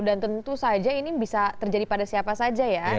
dan tentu saja ini bisa terjadi pada siapa saja ya